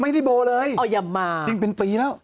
ไม่ได้โบเลยอ๋ออย่ามาจริงเป็นปีแล้ว